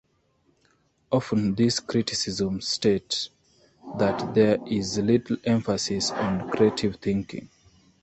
Often, these criticisms state that there is little emphasis on creative thinking.